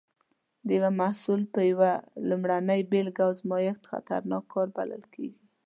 د یو محصول پر یوه لومړنۍ بېلګه ازمېښت خطرناک کار بلل کېږي.